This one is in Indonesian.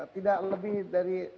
tidak lebih dari